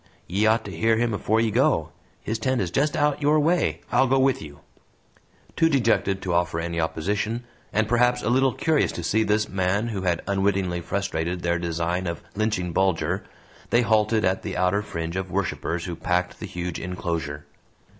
Ye ought to hear him afore you go. His tent is just out your way. I'll go with you." Too dejected to offer any opposition, and perhaps a little curious to see this man who had unwittingly frustrated their design of lynching Bulger, they halted at the outer fringe of worshipers who packed the huge inclosure.